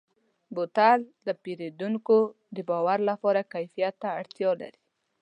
بوتل د پیرودونکو د باور لپاره کیفیت ته اړتیا لري.